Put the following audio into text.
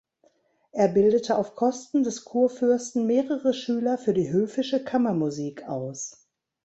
Er bildete auf Kosten des Kurfürsten mehrere Schüler für die höfische Kammermusik aus.